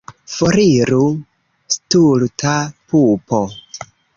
Foriru, stulta pupo!